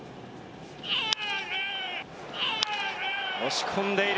押し込んでいる。